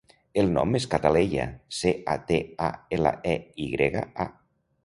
El nom és Cataleya: ce, a, te, a, ela, e, i grega, a.